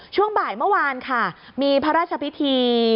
ช่วงบ่ายเมื่อวานค่ะมีพระราชพิธี